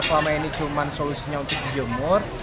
selama ini kulman solusinya untuk dijemur